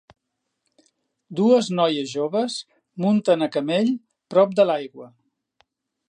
Dues noies joves munten a camell prop de l'aigua.